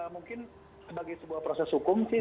mungkin sebagai sebuah proses hukum sih